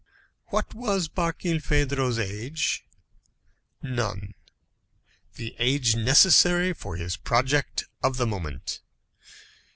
What was Barkilphedro's age? None. The age necessary for his project of the moment.